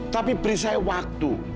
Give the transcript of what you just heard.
tapi beri saya waktu